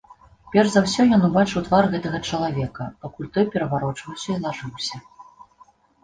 Перш за ўсё ён убачыў твар гэтага чалавека, пакуль той пераварочваўся і лажыўся.